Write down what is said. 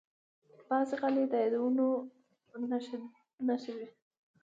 بعضې غالۍ د یادونو نښه وي.